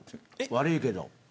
悪いけど。